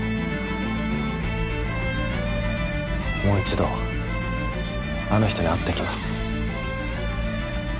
もう一度あの人に会ってきます